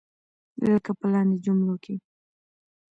لکه په لاندې جملو کې.